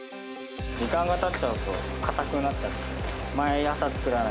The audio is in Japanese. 時間がたっちゃうと固くなっちゃう。